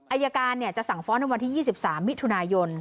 อายการจะสั่งฟ้องในวันที่๒๓มิถุนายน